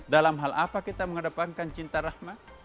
dalam hal apa kita menghadapankan cinta rahmah